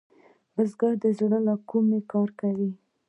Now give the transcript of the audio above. بزګر د زړۀ له کومي کار کوي